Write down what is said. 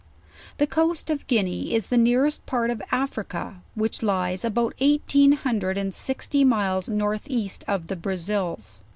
The coast of Guinea is the nearest par! of Africa; which lies about eighteen hundred and sixty miles north east from the Brazils.